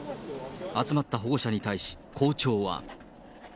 集まった保護者に対し、校長は。